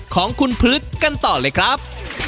ของคุณพลึกกันต่อเลยครับ